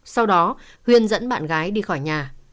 sau đó huyên dẫn bạn gái đi khỏi nhà